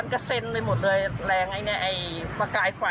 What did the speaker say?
ค่ะ